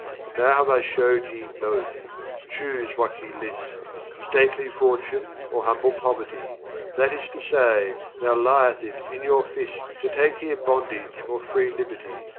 Now have I shew'd ye both, choose which ye list, Stately Fortune or humble poverty; That is to say, now li'th it in your fist To take here bondage or free liberty.